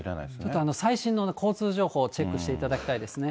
ちょっと最新のね、交通情報をチェックしていただきたいですね。